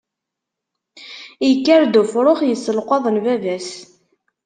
Ikker-d ufrux yesselqaḍen baba-s.